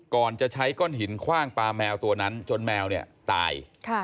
ก่อนจะใช้ก้อนหินคว่างปลาแมวตัวนั้นจนแมวเนี่ยตาย